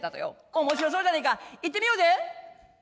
面白そうじゃねえか行ってみようぜ」。